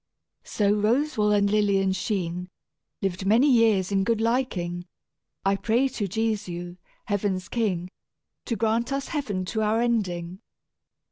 "So Roswal and Lilian sheen, Lived many years in good liking. I pray to Jesu, heaven's king, To grant us heaven to our ending.